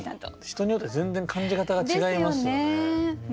人によって全然感じ方が違いますよね。